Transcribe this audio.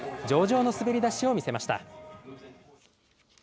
上々の滑り出しを見せました。